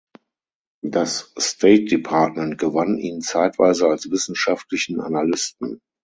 Das State Department gewann ihn zeitweise als wissenschaftlichen Analysten.